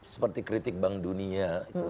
seperti kritik bank dunia